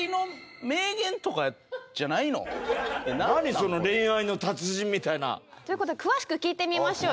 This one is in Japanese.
その恋愛の達人みたいな。という事で詳しく聞いてみましょう。